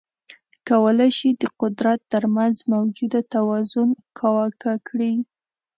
کولای شي د قدرت ترمنځ موجوده توازن کاواکه کړي.